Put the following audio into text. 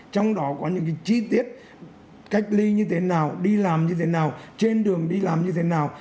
trong đó có những chi tiết cách ly như thế nào đi làm như thế nào trên đường đi làm như thế nào